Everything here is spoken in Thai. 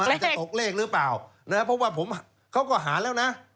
อาจจะตกเลขหรือเปล่านะครับเพราะว่าผมเขาก็หาแล้วนะ